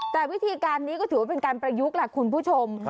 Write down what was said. แต่วิธีการนี้ก็ถือว่าเป็นการประยุกต์ล่ะคุณผู้ชม